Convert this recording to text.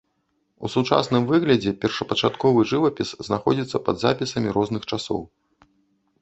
У сучасным выглядзе першапачатковы жывапіс знаходзіцца пад запісамі розных часоў.